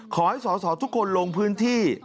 ขอให้สอสอทุกคนลงพื้นที่